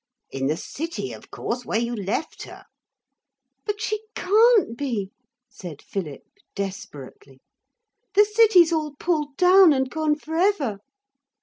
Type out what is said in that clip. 'In the city, of course. Where you left her.' 'But she can't be,' said Philip desperately. 'The city's all pulled down and gone for ever.'